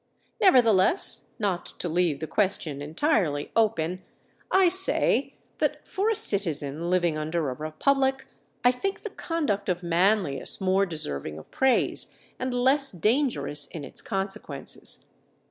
Nevertheless, not to leave the question entirely open, I say, that for a citizen living under a republic, I think the conduct of Manlius more deserving of praise and less dangerous in its consequences.